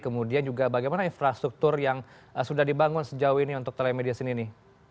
kemudian juga bagaimana infrastruktur yang sudah dibangun sejauh ini untuk telemedicine ini